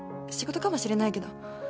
仕事かもしれないけど。